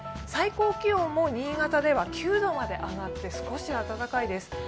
最高気温も新潟では９度まで上がって少し暖かいです。